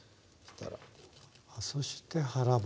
そして腹骨。